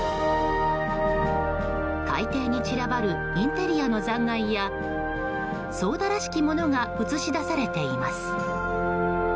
海底に散らばるインテリアの残骸や操舵らしきものが映し出されています。